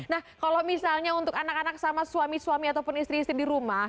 nah kalau misalnya untuk anak anak sama suami suami ataupun istri istri di rumah